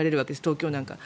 東京なんかは。